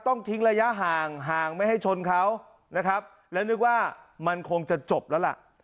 ต้องทิ้งระยะห่างห่างไม่ให้ชนเขานะครับและนึกว่ามันคงจะจบแล้วล่ะ